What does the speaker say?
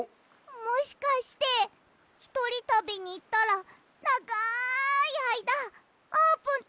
もしかしてひとりたびにいったらながいあいだあーぷんとあそべなくなるの？